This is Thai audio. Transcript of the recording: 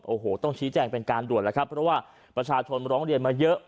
โอ้โหต้องชี้แจงเป็นการด่วนแล้วครับเพราะว่าประชาชนร้องเรียนมาเยอะ